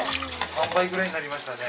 ３倍くらいになりましたね。